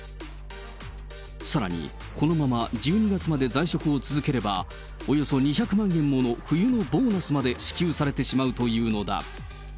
さらにこのまま１２月まで在職を続ければ、およそ２００万円もの冬のボーナスまで支給されてしまうというのだ。